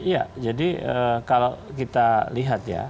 ya jadi kalau kita lihat ya